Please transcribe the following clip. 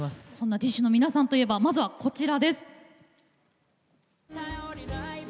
ＤＩＳＨ／／の皆さんといえば、まずはこちら。